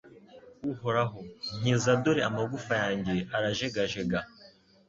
Uhoraho nkiza dore amagufa yanjye arajegajega